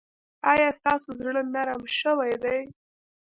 ایا ستاسو زړه نرم شوی دی؟